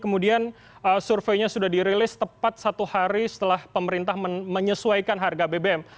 kemudian surveinya sudah dirilis tepat satu hari setelah pemerintah menyesuaikan harga bbm